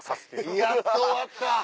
やっと終わった！